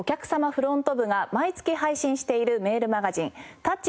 フロント部が毎月配信しているメールマガジン「ｔｏｕｃｈ！